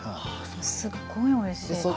すごいおいしいわ。